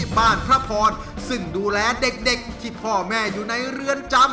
สามสัตว์ตั้งความสู้